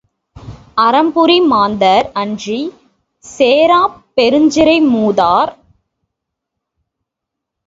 அறம்புரி மாந்தர் அன்றிச் சேராப் புறஞ்சிறை மூதூர் புக்கனர் புரிந்தென் என்பது பாடல் பகுதி.